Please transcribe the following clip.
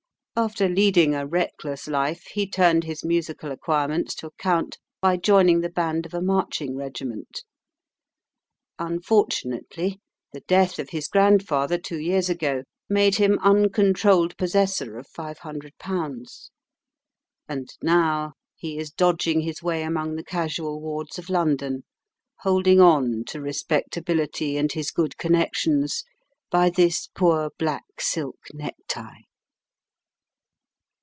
After leading a reckless life, he turned his musical acquirements to account by joining the band of a marching regiment. Unfortunately, the death of his grandfather, two years ago, made him uncontrolled possessor of 500 pounds, and now he is dodging his way among the casual wards of London, holding on to respectability and his good connections by this poor black silk necktie.